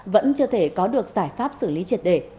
vẫn chưa thể có được giải pháp xử lý triệt đề